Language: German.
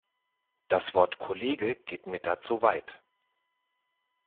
Das Wort Kollege geht mir da zu weit.